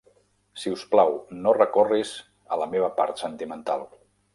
Si us plau, no recorris a la meva part sentimental.